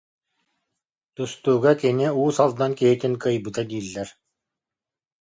Тустууга кини Уус Алдан киһитин кыайбыта дииллэр